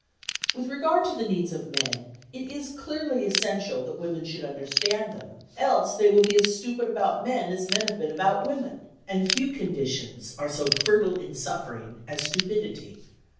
With regard to the needs of men, it is certainly essential that women should understand them, else they will be as stupid about men as men have been about women, and few conditions are so fertile in suffering as stupidity.